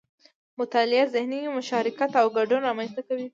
مطالعه ذهني مشارکت او ګډون رامنځته کوي